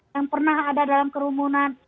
yang pernah ada dalam kerumunan